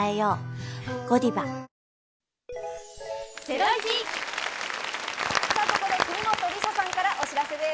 来週は、ここで国本梨紗さんからお知らせです。